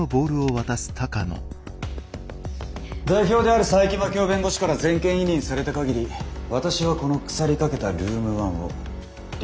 代表である佐伯真樹夫弁護士から全権委任された限り私はこの腐りかけたルーム１を立派に立て直してみせます。